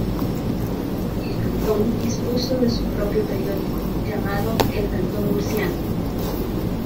El Cantón dispuso de su propio periódico, llamado "El Cantón Murciano".